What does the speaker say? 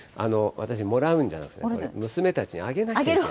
私、もらうんじゃなくて、これ、娘たちにあげなきゃいけない。